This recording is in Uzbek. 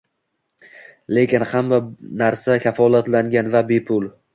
Lekin hamma narsa kafolatlangan va bepul »